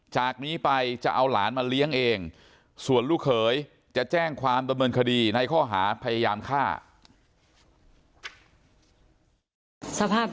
จากนี้ไปจะเอาหลานมาเลี้ยงเองส่วนลูกเขยจะแจ้งความดำเนินคดีในข้อหาพยายามฆ่า